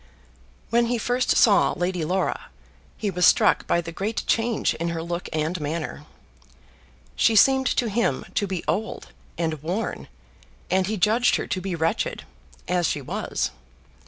When he first saw Lady Laura he was struck by the great change in her look and manner. She seemed to him to be old and worn, and he judged her to be wretched, as she was.